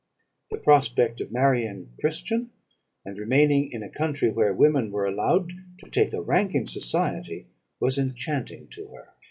The prospect of marrying a Christian, and remaining in a country where women were allowed to take a rank in society, was enchanting to her.